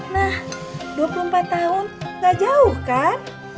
nah dua puluh empat tahun gak jauh kan